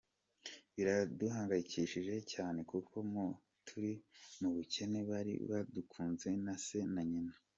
Biraduhangayikishije cyane kuko mu turi mu bukene, bari batunzwe na se na nyina.